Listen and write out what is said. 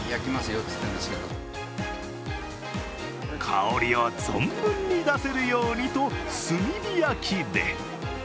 香りを存分に出せるようにと炭火焼きで。